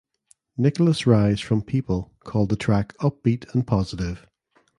Nicholas Rise from "People" called the track "upbeat and positive".